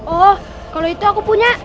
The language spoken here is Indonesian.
oh kalau itu aku punya